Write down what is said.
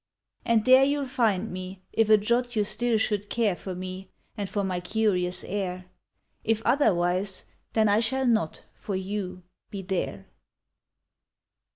And there you'll find me, if a jot You still should care For me, and for my curious air; If otherwise, then I shall not, For you, be there.